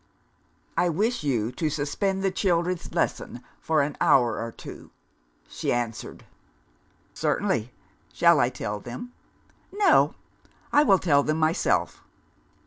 "I wish you to suspend the children's lesson for an hour or two," she answered. "Certainly. Shall I tell them?" "No; I will tell them myself."